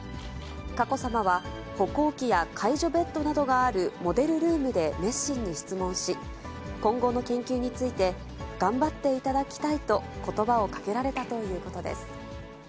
佳子さまは、歩行器や介助ベッドなどがあるモデルルームで熱心に質問し、今後の研究について、頑張っていただきたいとことばをかけられたということです。